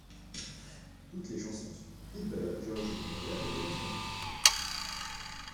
Toutes les chansons sont de Pete Bellotte, Giorgio Moroder et Donna Summer.